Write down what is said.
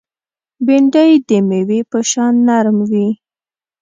بېنډۍ د مېوې په شان نرم وي